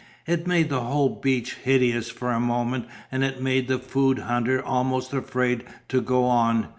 It made the whole beach hideous for a moment and it made the food hunter almost afraid to go on.